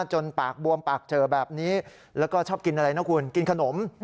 จนปากบวมปากเจอแบบนี้แล้วก็ชอบกินอะไรนะคุณกินขนม